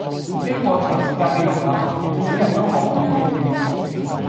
經過長時間嘅融合，唔少人都會學粵語